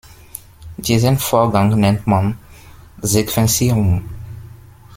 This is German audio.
Diesen Vorgang nennt man "Sequenzierung".